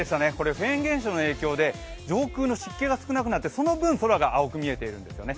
フェーン現象の影響で上空の湿気が少なくなってその分、空が青く見えているんですよね。